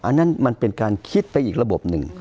อันนั้นมันเป็นการคิดไปอีกระบบหนึ่ง